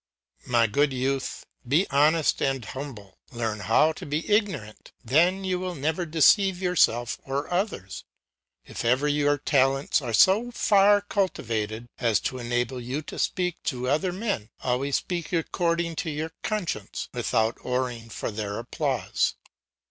"My good youth, be honest and humble; learn how to be ignorant, then you will never deceive yourself or others. If ever your talents are so far cultivated as to enable you to speak to other men, always speak according to your conscience, without caring for their applause.